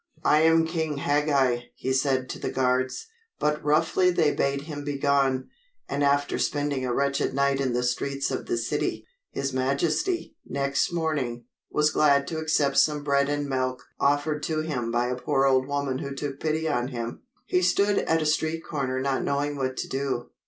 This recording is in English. "I am King Hagag," he said to the guards, but roughly they bade him begone, and after spending a wretched night in the streets of the city, his majesty, next morning, was glad to accept some bread and milk offered to him by a poor old woman who took pity on him. He stood at a street corner not knowing what to do.